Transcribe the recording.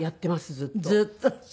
ずっと？